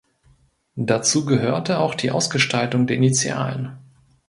Dazu gehörte auch die Ausgestaltung der Initialen.